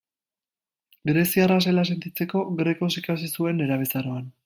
Greziarra zela sentitzeko, grekoz ikasi zuen nerabezaroan.